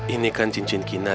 ini kan cincin kinar